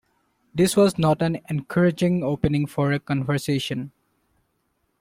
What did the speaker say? This was not an encouraging opening for a conversation.